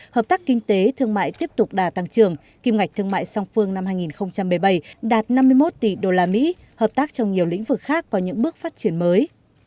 hợp tác kinh tế thương mại tiếp tục đà tăng trưởng kim ngạch thương mại song phương năm hai nghìn một mươi bảy đạt năm mươi một tỷ usd hợp tác trong nhiều lĩnh vực khác có những bước phát triển mới